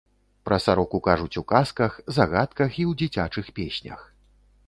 Пра сароку кажуць у казках, загадках і ў дзіцячых песнях.